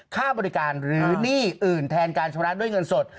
ค่าบริการหรือหนี้อื่นแทนการชำระด้วยเงินสด